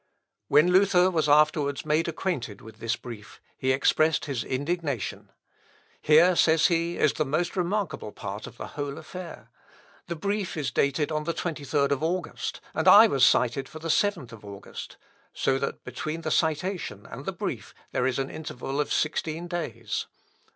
When Luther was afterwards made acquainted with this brief, he expressed his indignation. "Here," says he, "is the most remarkable part of the whole affair. The brief is dated on the 23rd of August, and I was cited for the 7th of August; so that between the citation and the brief there is an interval of sixteen days.